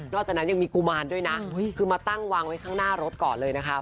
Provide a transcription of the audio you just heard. จากนั้นยังมีกุมารด้วยนะคือมาตั้งวางไว้ข้างหน้ารถก่อนเลยนะคะ